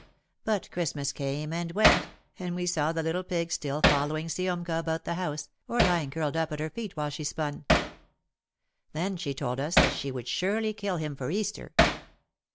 But Christmas came and went and we saw the little pig still following Siomka about the house, or lying curled up at her feet while she spun. Then she told us that she would surely kill him for Easter.